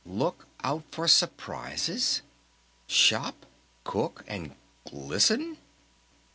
"'Look out for Surprises'? 'Shop, Cook, and Glisten'?"